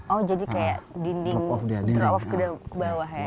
oh jadi kayak dinding drop off ke bawah ya